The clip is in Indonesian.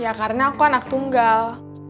ya karena aku anak tunggal